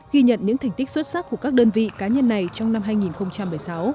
ghi nhận những thành tích xuất sắc của các đơn vị cá nhân này trong năm hai nghìn một mươi sáu